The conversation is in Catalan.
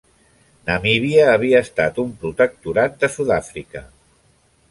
Namíbia havia estat un protectorat de Sud-àfrica.